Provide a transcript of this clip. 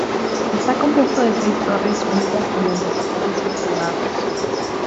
Está compuesto de seis torres unidas mediante pasadizos elevados.